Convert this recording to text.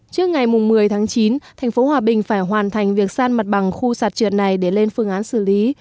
trước ngày một mươi tháng chín thành phố hòa bình phải hoàn thành việc san mặt bằng khu sạt trượt này để lên phương án xử lý